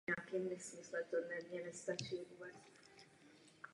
Během druhé světové války se stal bojištěm spojeneckých a japonských sil.